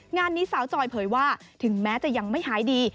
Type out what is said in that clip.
งานนี้สาวจอยเผยว่าถึงแม้จะยังไม่หายดี